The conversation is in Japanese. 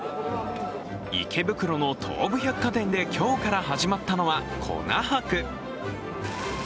池袋の東武百貨店で今日から始まったのは、粉博。